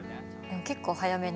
結構早めに？